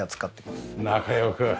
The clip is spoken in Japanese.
仲良く。